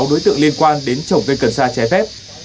với một mươi sáu đối tượng liên quan đến trồng cây cần xa trái phép